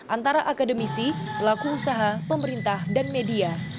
antara akademisi pelaku usaha pemerintah dan media